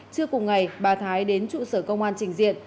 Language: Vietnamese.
trưa cùng ngày bà thái đến trụ sở công an trình diện